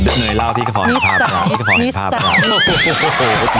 แต่นึกเลยเล่าพี่กระพ๋อให้ครับพี่กระพ๋อให้ครับโอ้โหโหโหโอ้โหโห